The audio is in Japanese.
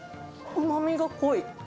うまみが濃い。